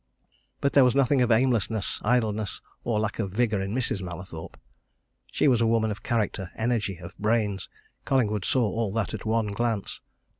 But there was nothing of aimlessness, idleness, or lack of vigour in Mrs. Mallathorpe. She was a woman of character, energy, of brains Collingwood saw all that at one glance.